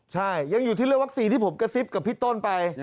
ใช่ยังอยู่ที่เรื่องวัคซีนที่ผมกระซิบกับพี่ต้นไป